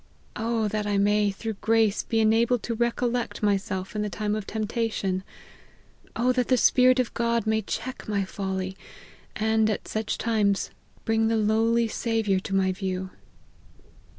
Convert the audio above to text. O that I may, through grace, be enabled to recollect myself in the time of temptation ! O that the Spirit of God may check my folly, and, at such times, bring the lowly Saviour to my view.